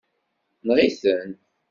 Neɣ-iten.